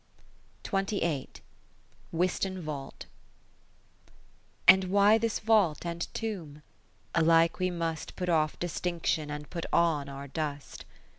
Wiston Vault And why this vault and tomb? Alike we must Put off distinction, and put on our dust.